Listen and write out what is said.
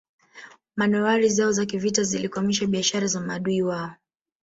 Manowari zao za kivita zilikwamisha biashara za maadui wao